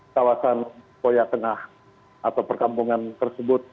kawasan koya tengah atau perkampungan tersebut